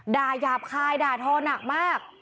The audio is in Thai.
หยาบคายด่าทอหนักมาก